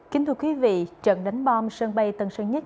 kính thưa quý vị trận đánh bom sân bay tân sơn nhất